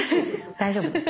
大丈夫です。